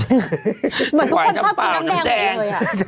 เหมือนทุกคนชอบกินน้ำแดงหมดเลย